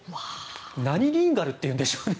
何リンガルっていうんでしょうね。